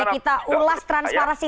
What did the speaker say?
oke kita ulas transparansi